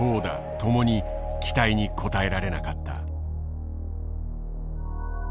ともに期待に応えられなかった。